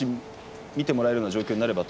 見てもらえるような状況があったら。